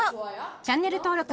チャンネル登録。